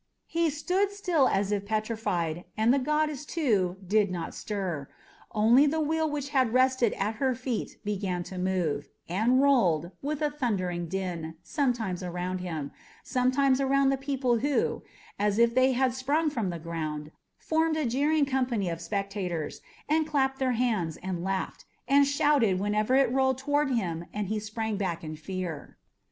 He stood still as if petrified, and the goddess, too, did not stir. Only the wheel which had rested at her feet began to move, and rolled, with a thundering din, sometimes around him, sometimes around the people who, as if they had sprung from the ground, formed a jeering company of spectators, and clapped their hands, laughed, and shouted whenever it rolled toward him and he sprang back in fear.